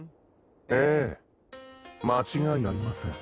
ええ間違いありません